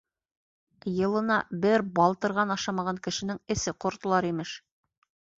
Йылына бер балтырған ашамаған кешенең эсе ҡортлар, имеш.